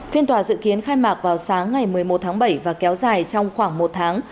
phiên tòa dự kiến khai mạc vào sáng ngày một mươi một tháng bảy và kéo dài trong khoảng một tháng